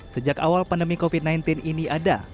sejak awal pandemi covid sembilan belas ini ada